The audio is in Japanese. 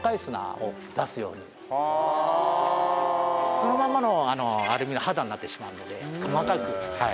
そのままのアルミの肌になってしまうので細かくはい。